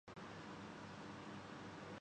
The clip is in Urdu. کسی کو معلوم نہیں۔